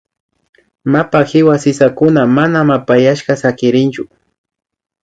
Mapa hiwa sisakuna mana mapayashka sakirichun